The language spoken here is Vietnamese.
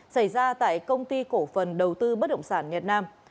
xảy ra tại công ty cổ phần đầu tư bất động sản nhật nam